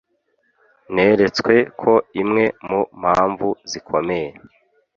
Neretswe ko imwe mu mpamvu zikomeye